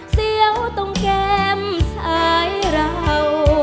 เสียวตรงแก้มซ้ายเรา